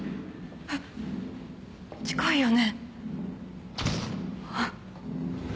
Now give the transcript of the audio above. えっ近いよね？